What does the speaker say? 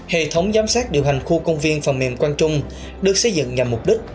hệ thống giám sát điều hành khu công viên phòng miệng quang trung được xây dựng nhằm mục đích